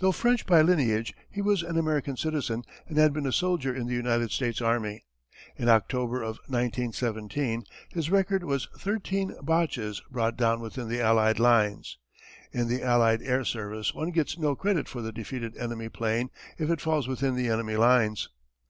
Though French by lineage, he was an American citizen and had been a soldier in the United States Army. In October of 1917 his record was thirteen Boches brought down within the allied lines. In the allied air service one gets no credit for the defeated enemy plane if it falls within the enemy lines.